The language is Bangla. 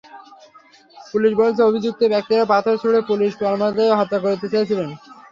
পুলিশ বলেছে, অভিযুক্ত ব্যক্তিরা পাথর ছুড়ে পুলিশ কর্মকর্তাদের হত্যা করতে চেয়েছিলেন।